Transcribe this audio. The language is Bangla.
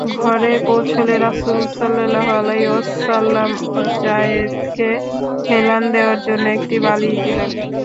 ঘরে পৌঁছলে রাসূলুল্লাহ সাল্লাল্লাহু আলাইহি ওয়াসাল্লাম যায়েদকে হেলান দেয়ার জন্য একটি বালিশ দিলেন।